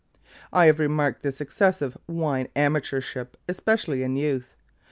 I have remarked this excessive wine amateurship especially in youth.